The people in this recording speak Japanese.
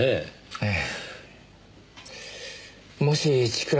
ええ。